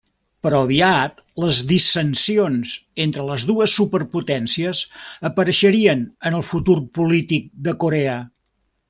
Però aviat, les dissensions entre les dues superpotències apareixerien en el futur polític de Corea.